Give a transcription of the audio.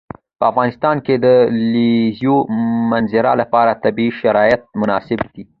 په افغانستان کې د د کلیزو منظره لپاره طبیعي شرایط مناسب دي.